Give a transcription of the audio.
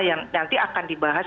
yang nanti akan dibahas